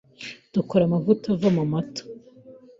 Dukora amavuta ava mumata.